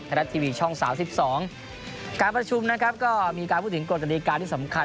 รัฐทีวีช่อง๓๒การประชุมนะครับก็มีการพูดถึงกฎกฎิการที่สำคัญ